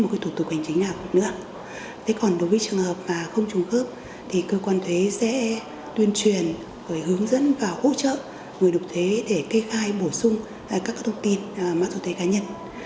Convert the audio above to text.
còn đối với trường hợp mà không trùng khớp thì cơ quan thuế sẽ tuyên truyền hướng dẫn và hỗ trợ người nộp thuế để kê khai bổ sung các thông tin mắc dụng thuế cá nhân